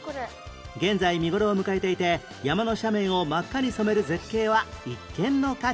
現在見頃を迎えていて山の斜面を真っ赤に染める絶景は一見の価値あり